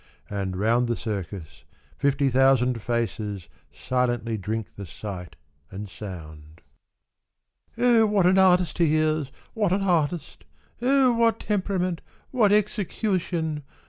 And round the Circus fifty thousand faces Silently drink the sight and sound. " Oh, what an artist he is, what an artist ! Oh, what temperament, what execu tion